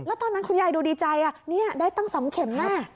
แล้วตอนนั้นคุณยายดูดีใจนี่ได้ตั้ง๒เข็มน่ะ